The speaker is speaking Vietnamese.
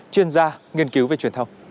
chuyên gia nghiên cứu về truyền thông